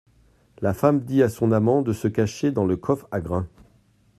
La femme dit à son amant de se cacher dans le coffre à grain.